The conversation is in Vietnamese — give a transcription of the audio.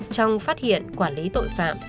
trong phát hiện quản lý tội phạm